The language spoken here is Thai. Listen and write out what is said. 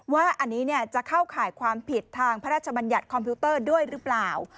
ว่าอันนี้จะเข้าข่ายความผิดทางพระราชบัญญัติคอมพิวเตอร์ด้วยหรือเปล่า